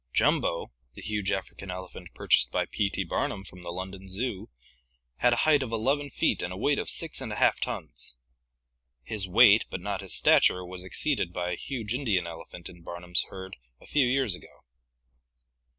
" Jumbo" (PI. XXI), the huge African elephant purchased by P. T. Barnum from the London Zoo, had a height of 11 feet and a weight of 6l/i tons! His weight but not his stature was exceeded by a huge Indian elephant in Barnum's herd a few years ago.